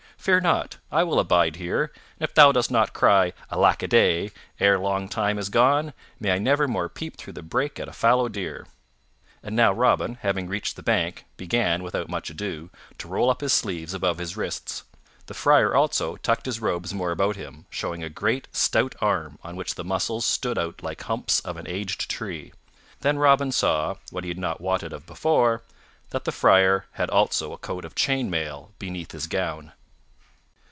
"Fear not; I will abide here, and if thou dost not cry 'Alack a day' ere long time is gone, may I never more peep through the brake at a fallow deer." And now Robin, having reached the bank, began, without more ado, to roll up his sleeves above his wrists. The Friar, also, tucked his robes more about him, showing a great, stout arm on which the muscles stood out like humps of an aged tree. Then Robin saw, what he had not wotted of before, that the Friar had also a coat of chain mail beneath his gown.